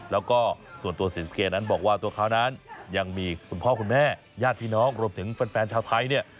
แล้วก็ส่วนตัวสินเกียร์นั้นบอกว่าตัวเขานั้นยังมีคุณพ่อคุณแม่ญาติพี่น้องรวมถึงแฟนชาวไทยเนี่ย